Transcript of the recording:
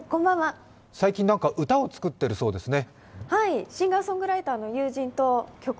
最近歌を作っているそうですね。